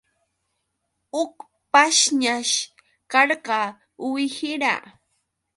Huk pashñash karqa uwihira.